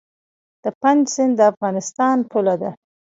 د پنج سیند د افغانستان پوله ده